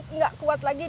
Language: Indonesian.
tidak kuat lagi